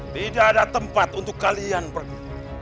tidak ada tempat untuk kalian pergi